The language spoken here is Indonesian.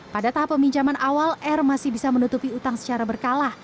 pada tahap peminjaman awal r masih bisa menutupi utang secara berkala